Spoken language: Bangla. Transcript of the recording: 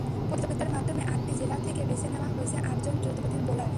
প্রতিযোগিতার মাধ্যমে আটটি জেলা থেকে বেছে নেওয়া হয়েছে আটজন দ্রুতগতির বোলার।